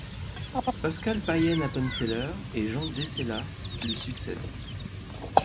Pascal Payen-Appenzeller et Jean Decellas lui succèdent.